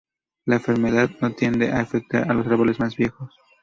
La enfermedad no tiende a afectar a árboles más viejos.